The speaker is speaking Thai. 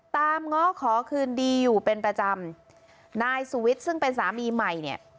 ง้อขอคืนดีอยู่เป็นประจำนายสุวิทย์ซึ่งเป็นสามีใหม่เนี่ย